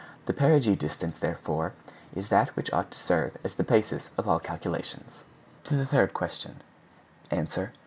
The perigee distance, therefore, is that which ought to serve as the basis of all calculations. To the third question:— _Answer.